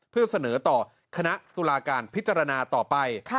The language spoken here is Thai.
เพื่อเสนอต่อคณะตุลาการพิจารณาต่อไป